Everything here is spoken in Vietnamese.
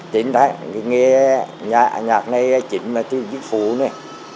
tính thấy cái nhạc này chính là thư giết phù này